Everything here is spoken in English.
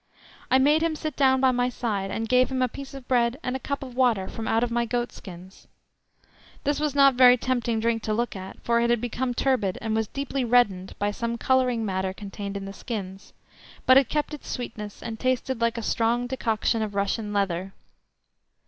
I made him sit down by my side, and gave him a piece of bread and a cup of water from out of my goat skins. This was not very tempting drink to look at, for it had become turbid, and was deeply reddened by some colouring matter contained in the skins, but it kept its sweetness, and tasted like a strong decoction of russia leather.